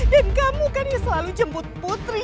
dan kamu kan yang selalu jemput putri